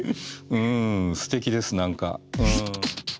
うんすてきです何か。